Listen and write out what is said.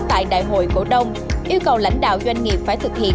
tại đại hội cổ đông yêu cầu lãnh đạo doanh nghiệp phải thực hiện